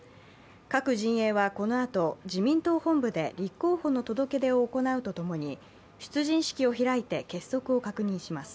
各陣営はこのあと、自民党本部で立候補の届け出を行うとともに出陣式を開いて結束を確認します。